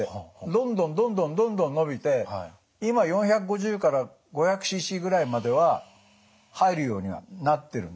どんどんどんどんどんどん伸びて今４５０から５００ｃｃぐらいまでは入るようになってるんですね。